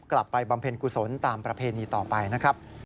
บำเพ็ญกุศลตามประเพณีต่อไปนะครับ